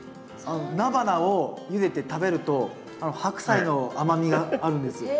ナバナをゆでて食べるとハクサイの甘みがあるんですよ。